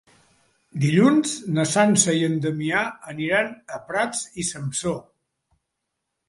Dilluns na Sança i en Damià aniran a Prats i Sansor.